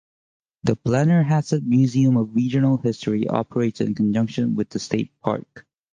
The Blennerhasset Museum of Regional History operates in conjunction with the state park.